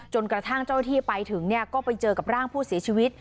จนกระทั่งเจ้าที่ไปถึงก็ไปเจอกับร่างผู้เสียชีวิต